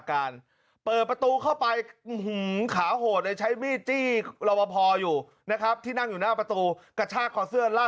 แล้วก็ไม่ได้อะไรไปนะ